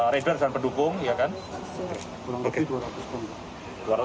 riders dan pendukung ya kan